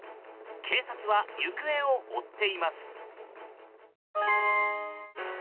警察は行方を追っています。